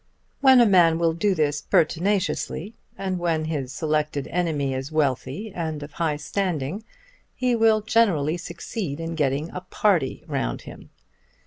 When a man will do this pertinaciously, and when his selected enemy is wealthy and of high standing, he will generally succeed in getting a party round him.